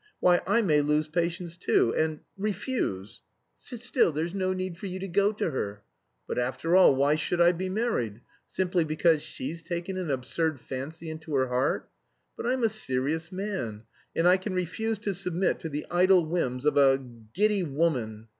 Why, I may lose patience, too, and... refuse! 'Sit still, there's no need for you to go to her.' But after all, why should I be married? Simply because she's taken an absurd fancy into her heart. But I'm a serious man, and I can refuse to submit to the idle whims of a giddy woman!